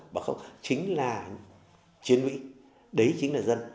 bảo không chính là chiến lũy đấy chính là dân